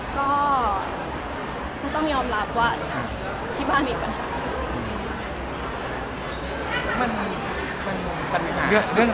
ก็คือต้องยอมรับว่าที่บ้านมีปัญหาจริง